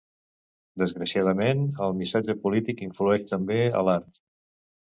Desgraciadament el missatge polític influeix també a l'art.